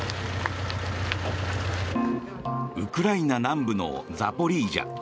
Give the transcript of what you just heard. ウクライナ南部のザポリージャ。